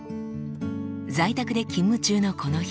在宅で勤務中のこの日。